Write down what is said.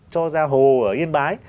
cho ra hồ ở yên bái